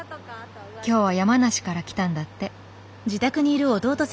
今日は山梨から来たんだって。